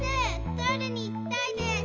トイレに行きたいです！」